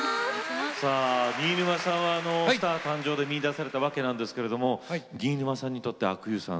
さあ新沼さんは「スター誕生！」で見いだされたわけなんですけれども新沼さんにとって阿久悠さん